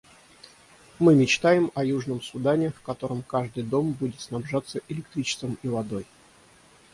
Мы мечтаем о Южном Судане, в котором каждый дом будет снабжаться электричеством и водой.